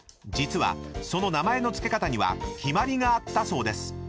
実はその名前の付け方には決まりがあったそうです］